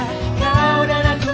kau dan aku akan selalu menyatu